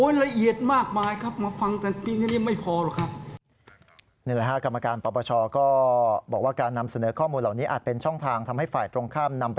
นำไปช่องทางเมื่อไหร่นะครับ